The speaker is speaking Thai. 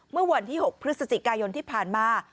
เมื่อวันที่๖พฤศจิกายนที่ผ่านมา